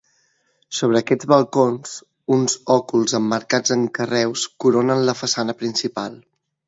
Sobre aquests balcons uns òculs emmarcats en carreus coronen la façana principal.